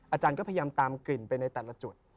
อาจารย์ก็พยายามตามกลิ่นไปในแต่ละจุด